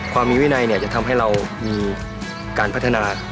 มีวินัยจะทำให้เรามีการพัฒนา